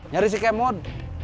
nyari si kemon